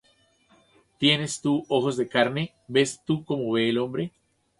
¿Tienes tú ojos de carne? ¿Ves tú como ve el hombre?